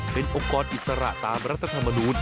เป็นองค์กรอิสระตามรัฐธรรมนูล